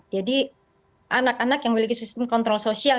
jadi anak anak yang memiliki sistem kontrol sosial